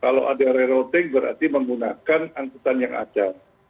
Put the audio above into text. kalau ada rerouting berarti menggunakan angkutan yang ada